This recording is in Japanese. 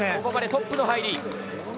ここまでトップの入り。